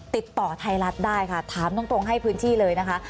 ติดต่อไทยรัฐได้ค่ะถามตรงให้พื้นที่เลยนะคะ